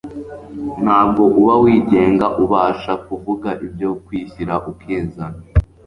Ntabwo uba wigenga. Ubasha kuvuga ibyo kwishyira ukizana;